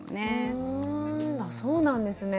ふんあそうなんですね。